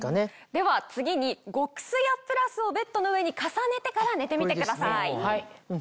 では次に極すやプラスをベッドの上に重ねてから寝てみてください。